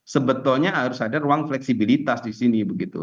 sebetulnya harus ada ruang fleksibilitas di sini begitu